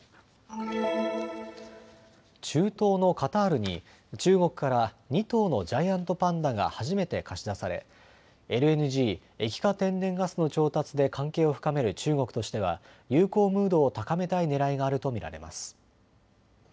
中東のカタールに中国から２頭のジャイアントパンダが初めて貸し出されＬＮＧ・液化天然ガスの調達で関係を深める中国としては友好ムードを高めたいねらいがあると見られます。